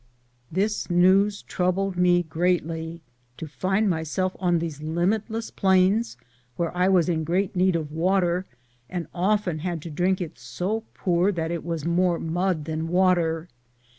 This news troubled me greatly, to find myself on these limitless plains, where I was in great need of water, and often had to drink it so poor that it was more mud than water.